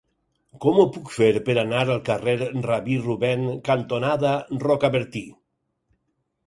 Com ho puc fer per anar al carrer Rabí Rubèn cantonada Rocabertí?